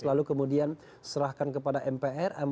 lalu kemudian serahkan kepada mpr